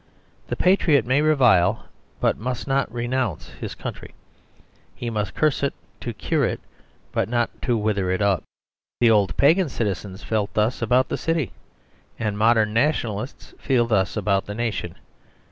The patriot may revile but must not renounce his country; he must curse it to cure it, but not to wither it up. The old pagan citizens felt thus about the city; and modern nationalists feel thus about the nation.